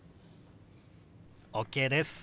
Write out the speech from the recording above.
ＯＫです。